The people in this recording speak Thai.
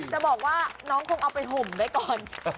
จะบอกว่าน้องคงเอาไปห่มได้ก่อน